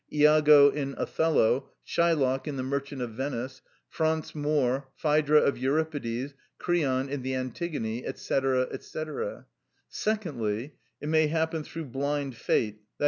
Iago in "Othello," Shylock in "The Merchant of Venice," Franz Moor, Phædra of Euripides, Creon in the "Antigone," &c., &c. Secondly, it may happen through blind fate, _i.